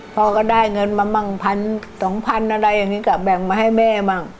พ่อก็ได้เงินมามั่งพันสองพันอะไรอย่างนี้ก็แบ่งมาให้แม่มั่ง